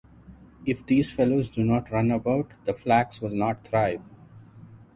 If these fellows do not run about, the flax will not thrive.